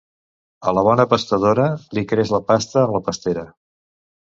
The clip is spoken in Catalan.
A la bona pastadora li creix la pasta a la pastera.